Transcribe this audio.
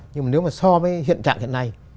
nhưng mà nếu mà so với hiện trạng hiện nay